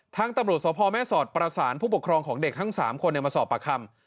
ทางตำรวจสพแม่สอดประสานผู้ปกครองของเด็กทั้ง๓คนมาสอบปากคำ